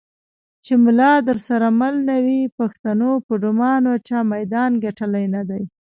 چې ملا درسره مل نه وي پښتونه په ډمانو چا میدان ګټلی نه دی.